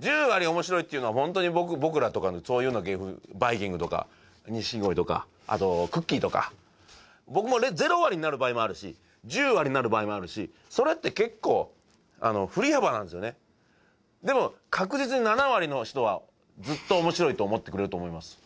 １０割面白いっていうのはホントに僕らとかの芸風バイきんぐとか錦鯉とかあとくっきー！とか僕もゼロ割になる場合もあるし１０割になる場合もあるしそれって結構振り幅なんですよねでも確実に７割の人はずっと面白いと思ってくれると思います